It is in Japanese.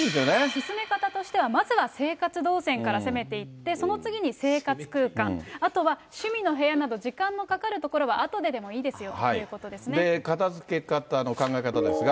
進め方としては、まずは生活動線から攻めていって、その次に生活空間、あとは趣味の部屋など時間のかかるところはあとでもいいですよと片づけ方の考え方ですが。